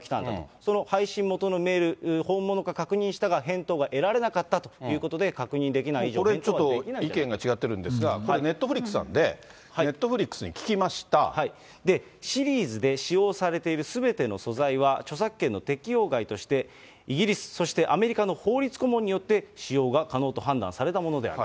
その配信元のメール、本物か確認したが、返答が得られなかったということで、確認できこれちょっと、意見が違ってるんですが、これ、ネットフリックスなんで、ネットシリーズで使用されているすべての素材は、著作権の適用外として、イギリス、そしてアメリカの法律顧問によって、使用が可能と判断されたものである。